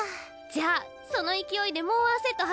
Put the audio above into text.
じゃあその勢いでもう１セット走る？